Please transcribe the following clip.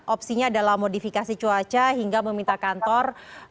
opsinya adalah modifikasi cuaca hingga meminta kantor